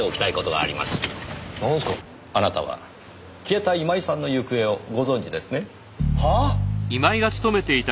あなたは消えた今井さんの行方をご存じですね？は？